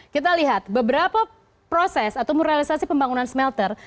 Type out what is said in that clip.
kita lihat beberapa proses atau murrealisasi pembangunan smelter